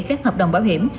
các hợp đồng bảo hiểm